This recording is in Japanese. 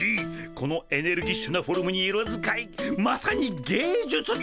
このエネルギッシュなフォルムに色使いまさに芸術だ！